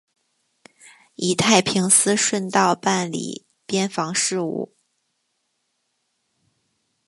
以太平思顺道办理边防事务。